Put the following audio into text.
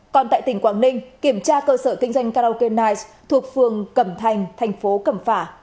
còn tại tỉnh quảng ninh kiểm tra cơ sở kinh doanh karaoke nice thuộc phường cẩm thành thành phố cẩm phả